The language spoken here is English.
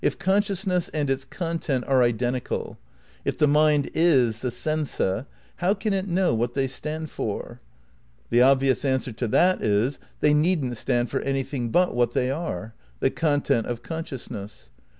If consciousness and its content are identical, if the mind is the smsa, how can it know what they stand for? The obvious answer to that is: They needn't stand for anything but what they are, the content of consciousness.